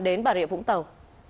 đến bà rịa vũng tàu